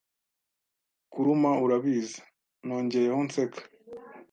kuruma, urabizi, ”nongeyeho nseka.